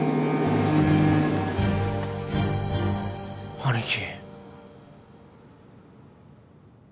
兄貴。